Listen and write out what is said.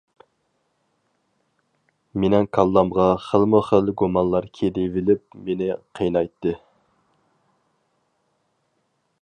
مېنىڭ كاللامغا خىلمۇ خىل گۇمانلار كېلىۋېلىپ مېنى قىينايتتى.